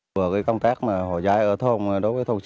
vừa cái công tác mà họ giải ở thôn đối với thôn